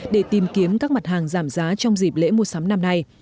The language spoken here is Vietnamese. để tìm kiếm các mặt hàng giảm giá